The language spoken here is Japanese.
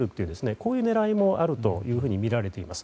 こういう狙いもあるというふうに見られています。